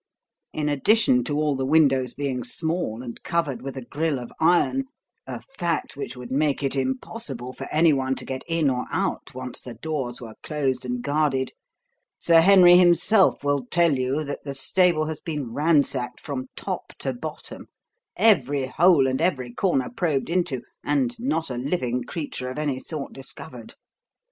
In addition to all the windows being small and covered with a grille of iron, a fact which would make it impossible for anyone to get in or out once the doors were closed and guarded, Sir Henry himself will tell you that the stable has been ransacked from top to bottom, every hole and every corner probed into, and not a living creature of any sort discovered.